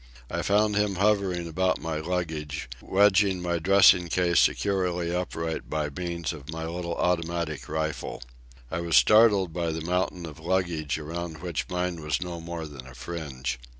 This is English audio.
I found him hovering about my luggage, wedging my dressing case securely upright by means of my little automatic rifle. I was startled by the mountain of luggage around which mine was no more than a fringe.